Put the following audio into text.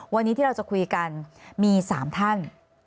วันนี้ที่เราจะคุยกันมี๓ท่าน